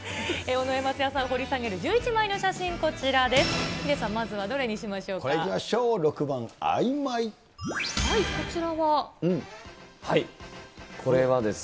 尾上松也さんを掘り下げる、１１枚の写真はこちらです。